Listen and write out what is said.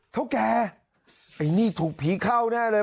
เท่าแกไอ้นี่ถูกผีเข้าแน่เลย